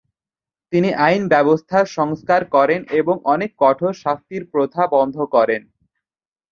তিনি আইন ব্যবস্থার সংস্কার করেন এবং অনেক কঠোর শাস্তির প্রথা বন্ধ করেন।